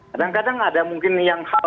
kadang kadang ada mungkin yang hal